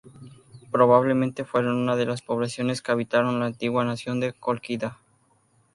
Probablemente fueron una de las poblaciones que habitaron la antigua nación de Cólquida.